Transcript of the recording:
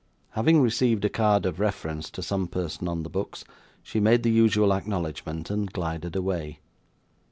Having received a card of reference to some person on the books, she made the usual acknowledgment, and glided away.